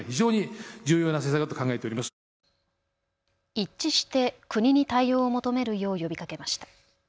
一致して国に対応を求めるよう呼びかけました。